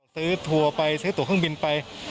ซื้อถั่วไปซื้อถั่วข้างบินไป